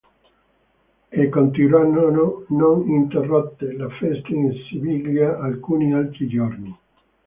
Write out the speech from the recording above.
E continuarono non interrotte le feste in Siviglia alcuni altri giorni.